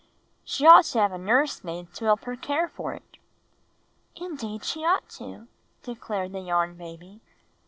"She ought to have a nurse maid to help her care for it." ''Indeed she ought to," declared the Yarn Baby.